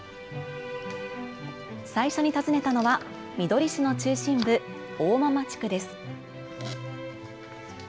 最初に訪ねたのはみどり市の中心部、大間々地区です。